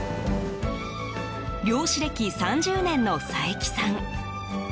漁師歴３０年の佐伯さん。